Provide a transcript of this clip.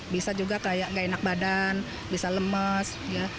bisa juga kayak gak enak badan bisa lemes